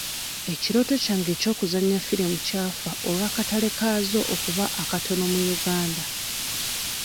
Ekirooto kyange ey'okuzannya firimu ky'afa olw'akatale kaazo okuba akatono mu Uganda.